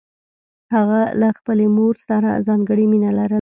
هغه له خپلې مور سره ځانګړې مینه لرله